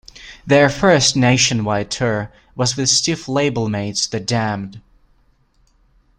Their first nationwide tour was with Stiff labelmates the Damned.